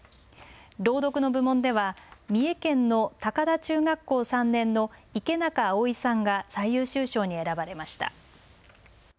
朗読の部門では三重県の高田中学校３年の池中あおいさんが最優秀賞に選ばれました。